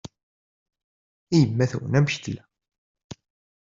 I yemma-twen amek i tella?